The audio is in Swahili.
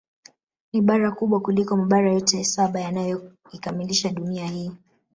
Ni bara kubwa kuliko Mabara yote saba yanayoikamilisha Dunia hii